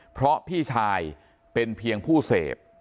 เพราะพี่ชายเป็นเพียงผู้เสพ